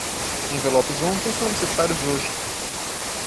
Envelopes ontem são necessários hoje.